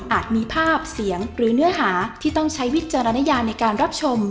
มีภาพเสียงหรือเนื้อหาที่ต้องใช้วิจารณญาในการรับชม